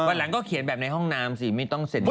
วันหลังก็เขียนแบบในห้องน้ำสิไม่ต้องเซ็น